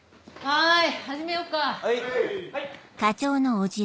はい！